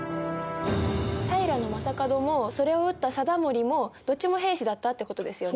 平将門もそれを討った貞盛もどっちも平氏だったってことですよね？